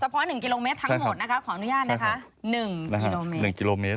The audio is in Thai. เพราะ๑กิโลเมตรทั้งหมดนะคะขออนุญาตนะคะ๑กิโลเมตร